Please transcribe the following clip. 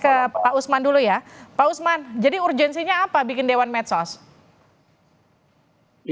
ke pak usman dulu ya pak usman jadi urgensinya apa bikin dewan medsos